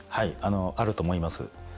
あると思います。